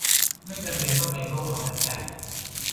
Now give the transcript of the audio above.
ไม่จำเป็นต้องเป็นโรคระบาดใหญ่